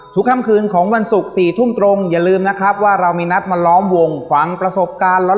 ค่ำคืนของวันศุกร์๔ทุ่มตรงอย่าลืมนะครับว่าเรามีนัดมาล้อมวงฟังประสบการณ์ร้อน